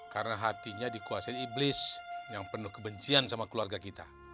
karena hatinya dikuasai iblis yang penuh kebencian sama keluarga kita